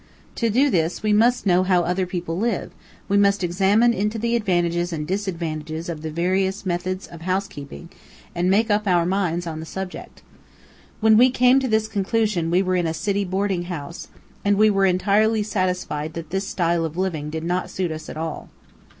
To do this, we must know how other people live, we must examine into the advantages and disadvantages of the various methods of housekeeping, and make up our minds on the subject. When we came to this conclusion we were in a city boarding house, and were entirely satisfied that this style of living did not suit us at all.